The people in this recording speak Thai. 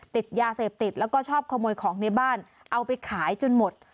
ติดยาเสพติดแล้วก็ชอบขโมยของในบ้านเอาไปขายจนหมด